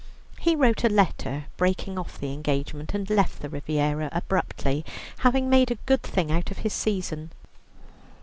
He wrote a letter breaking off the engagement, and left the Riviera abruptly, having made a good thing out of his season.